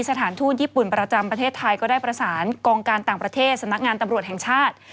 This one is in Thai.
สถานทูตญี่ปุ่นประจำประเทศไทยก็ได้ประสานกองการต่างประเทศสำนักงานตำรวจแห่งชาติ